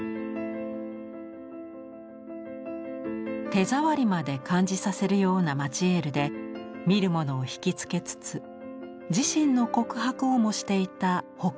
手触りまで感じさせるようなマチエールで見る者をひきつけつつ自身の告白をもしていたホックニー。